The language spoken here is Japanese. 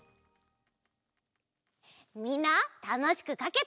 みんなたのしくかけた？